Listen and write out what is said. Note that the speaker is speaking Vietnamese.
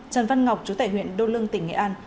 trần văn ngọc chú tải huyện đô lương tỉnh nghệ an